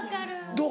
どう？